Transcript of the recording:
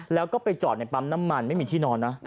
แล้วก็ไปจอดในปั๊มน้ำมันไม่มีที่นอนนะ